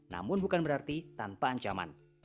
namun bukan berarti tanpa ancaman